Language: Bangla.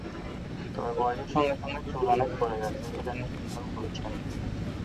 তবে বয়সের সঙ্গে সঙ্গে চুল অনেক পড়ে যাচ্ছে, সেটা নিয়ে চিন্তাও করছেন।